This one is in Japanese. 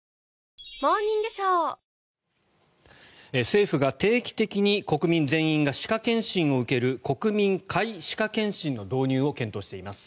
政府が定期的に国民全員が歯科検診を受ける国民皆歯科検診の導入を検討しています。